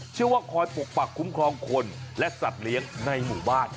เชื่อว่าคอยปกปักคุ้มครองคนและสัตว์เลี้ยงในหมู่บ้าน